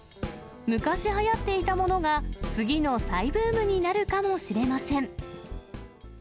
昔はやっていたものが、次の再ブームになるかもしれません。